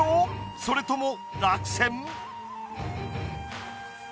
それとも落選？